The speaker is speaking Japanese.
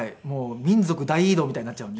民族大移動みたいになっちゃうんで。